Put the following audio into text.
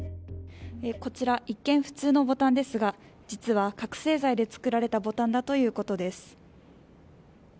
こちら一見普通のボタンですが実は覚醒剤で作られたボタンだということです。